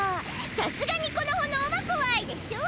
さすがにこのほのおはこわいでしょ？